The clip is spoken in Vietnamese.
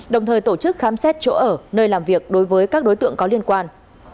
đồng thời tổ chức khám xét chỗ ở nơi làm việc đối với các đối tượng có liên quan